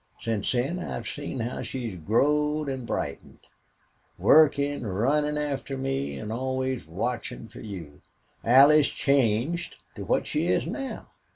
Since then I've seen how she's growed an' brightened. Workin', runnin' after me an' always watchin' fer you. Allie's changed to what she is now.